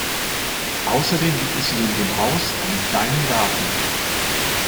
Außerdem gibt es neben dem Haus einen kleinen Garten.